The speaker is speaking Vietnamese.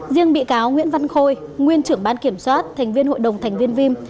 riêng bị cáo nguyễn văn khôi nguyên trưởng ban kiểm soát thành viên hội đồng thành viên vim